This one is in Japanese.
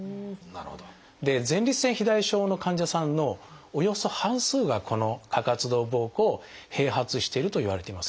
前立腺肥大症の患者さんのおよそ半数がこの過活動ぼうこうを併発しているといわれています。